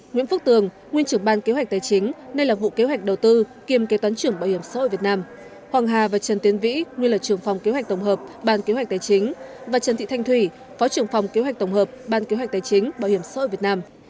nguyễn phước tường nguyên trưởng ban kế hoạch tài chính đây là vụ kế hoạch đầu tư kiêm kế toán trưởng bảo hiểm xã hội việt nam hoàng hà và trần tiến vĩ nguyên lợi trưởng phòng kế hoạch tổng hợp ban kế hoạch tài chính và trần thị thanh thủy phó trưởng phòng kế hoạch tổng hợp ban kế hoạch tài chính bảo hiểm xã hội việt nam